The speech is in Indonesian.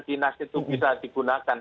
dinas itu bisa digunakan